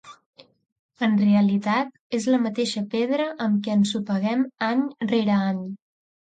En realitat, és la mateixa pedra amb què ensopeguem any rere any.